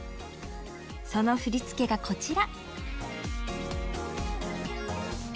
その振り付けが、こちら。